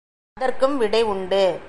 அதற்கும் விடை உண்டு.